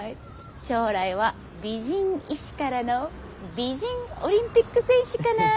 将来は美人医師からの美人オリンピック選手かな？